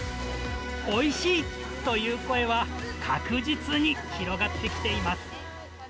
おいしい！という声は、確実に広がってきています。